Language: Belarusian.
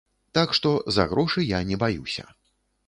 Так што, за грошы я не баюся.